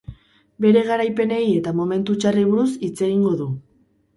Bere garaipenei eta momentu txarrei buruz hitz egingo du.